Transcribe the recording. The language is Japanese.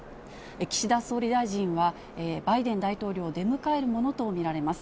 岸田総理大臣は、バイデン大統領を出迎えるものと見られます。